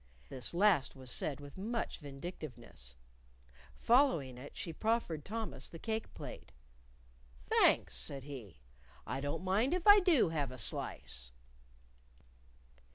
This last was said with much vindictiveness. Following it, she proffered Thomas the cake plate. "Thanks," said he; "I don't mind if I do have a slice."